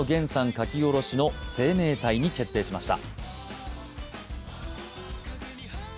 書き下ろしの「生命体」に決定しました。